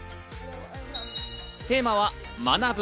テーマは「学ぶ！